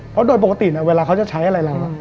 เพราะโดยปกติเวลาเขาจะใช้อะไรเรา